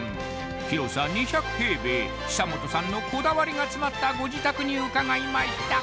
広さ２００平米久本さんのこだわりが詰まったご自宅に伺いました！